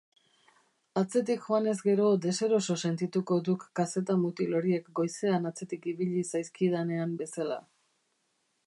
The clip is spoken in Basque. Atzetik joanez gero deseroso sentituko duk kazeta-mutil horiek goizean atzetik ibili zaizkidanean bezala.